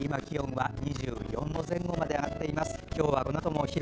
今、気温は２４度前後まで上がっています。